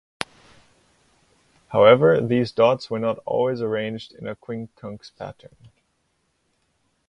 However, these dots were not always arranged in a quincunx pattern.